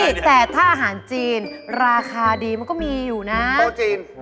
ใช่แต่ถ้าอาหารจีนราคาดีมันก็มีอยู่นะโต๊ะจีน